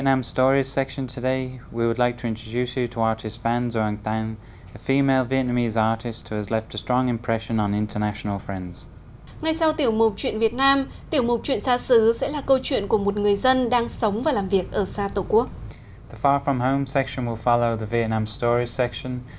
ngay sau tiểu mục chuyện việt nam tiểu mục chuyện xa xứ sẽ là câu chuyện của một người dân đang sống và làm việc ở xa tổ quốc